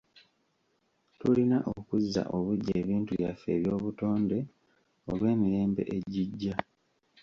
Tulina okuzza obuggya ebintu byaffe eby'obutonde olw'emirembe egijja.